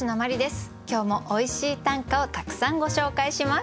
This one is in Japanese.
今日もおいしい短歌をたくさんご紹介します。